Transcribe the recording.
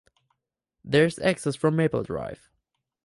There is access from Maple Drive.